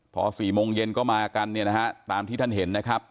พอ๔โมงเย็นก็มากันเนี่ยนะฮะตามที่ท่านเห็นนะครับ